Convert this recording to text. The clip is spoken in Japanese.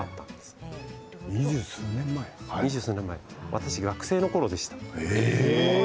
私、学生のころでした。